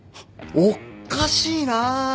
おっかしいな。